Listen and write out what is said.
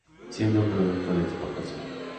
Siendo un producto de exportación.